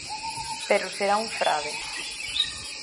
Pero será un frade.